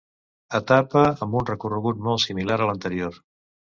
Etapa amb un recorregut molt similar a l'anterior.